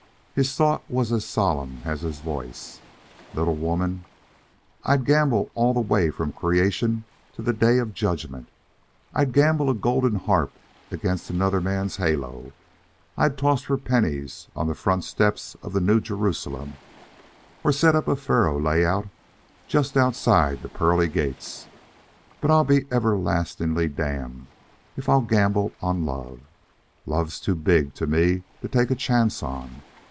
His thought was as solemn as his voice. "Little woman, I'd gamble all the way from Creation to the Day of Judgment; I'd gamble a golden harp against another man's halo; I'd toss for pennies on the front steps of the New Jerusalem or set up a faro layout just outside the Pearly Gates; but I'll be everlastingly damned if I'll gamble on love. Love's too big to me to take a chance on.